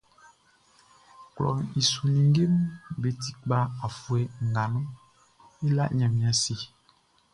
Klɔʼn i su ninngeʼm be ti kpa afuɛ nga nun, e la Ɲanmiɛn ase.